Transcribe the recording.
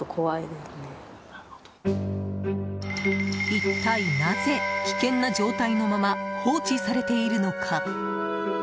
一体なぜ、危険な状態のまま放置されているのか？